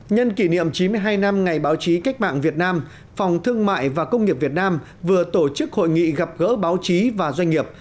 nhân kỷ niệm chín mươi hai năm ngày báo chí cách mạng việt nam phòng thương mại và công nghiệp việt nam vừa tổ chức hội nghị gặp gỡ báo chí và doanh nghiệp